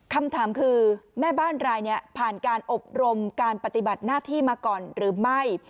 คำถามคือแม่บ้านรายนี้ผ่านการอบรมการปฏิบัติหน้าที่มาก่อนหรือไม่